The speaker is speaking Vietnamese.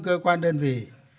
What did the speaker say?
cơ quan đơn vị